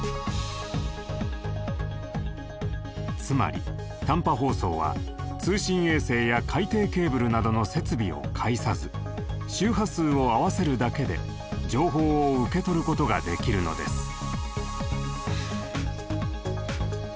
つまり短波放送は通信衛星や海底ケーブルなどの設備を介さず周波数を合わせるだけで情報を受け取ることができるのです。